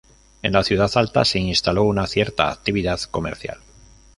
En la Ciudad Alta se instaló una cierta actividad comercial.